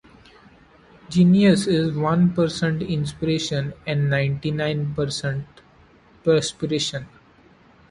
Genius is one percent inspiration and ninety-nine percent perspiration.